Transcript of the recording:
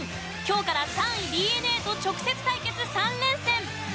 今日から３位のＤｅＮＡと直接対決３連戦。